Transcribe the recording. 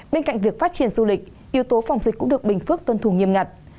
bên cạnh việc phát triển du lịch yếu tố phòng dịch cũng được bình phước tuân thủ nghiêm ngặt